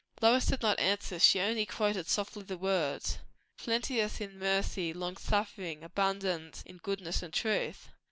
Lois did not answer; she only quoted softly the words "'Plenteous in mercy, long suffering, abundant in goodness and truth.'"